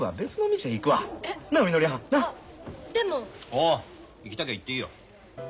おお行きたきゃ行っていいよ。